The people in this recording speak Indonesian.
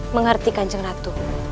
mengerti kan jenratu